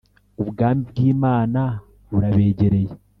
Ubwami bw Imana burabegereye